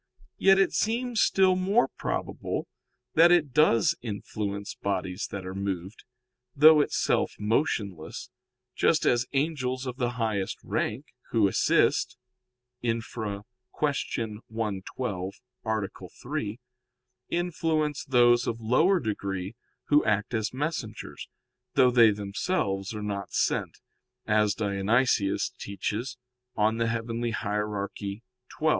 Yet it seems still more probable that it does influence bodies that are moved, though itself motionless, just as angels of the highest rank, who assist [*Infra, Q. 112, A. 3], influence those of lower degree who act as messengers, though they themselves are not sent, as Dionysius teaches (Coel. Hier. xii).